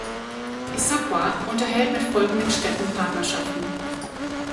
Issaquah unterhält mit folgenden Städten Partnerschaften.